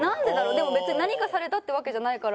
でも別に何かされたってわけじゃないから。